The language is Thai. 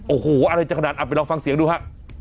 โอ้โหอะไรจะขนาดเอาไปลองฟังเสียงดูฮะ